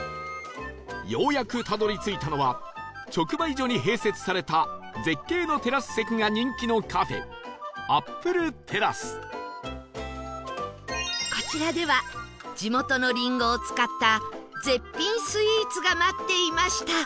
ようやくたどり着いたのは直売所に併設された絶景のテラス席が人気のこちらでは地元のりんごを使った絶品スイーツが待っていました